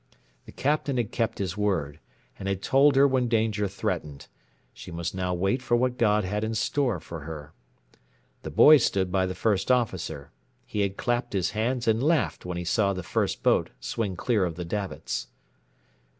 The Captain had kept his word, and had told her when danger threatened; she must now wait for what God had in store for her. The boy stood by the First Officer; he had clapped his hands and laughed when he saw the first boat swung clear of the davits.